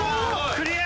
クリア！